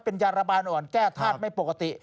เป็นยาระบายอ่อนแก้ธาตุไม่ปกติ